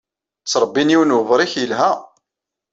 Ttṛebbin yiwen webṛik yelha.